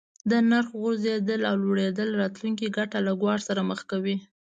د نرخ غورځیدل او لوړیدل راتلونکې ګټه له ګواښ سره مخ کوي.